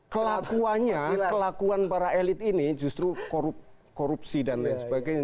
kelakuannya kelakuan para elit ini justru korupsi dan lain sebagainya